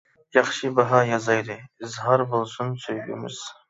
ياخشى باھا يازايلى، ئىزھار بولسۇن سۆيگۈمىز.